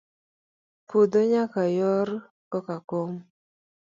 Puodho nyaka yor koka kom.